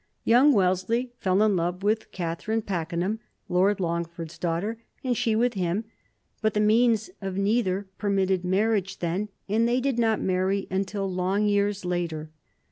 Young Wellesley fell in love with Catherine Pakenham, Lord Longford's daughter, and she with him; but the means of neither permitted marriage then, and they did not marry until long years later.